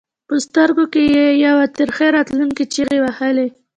په سترګو کې یې یوې ترخې راتلونکې چغې وهلې.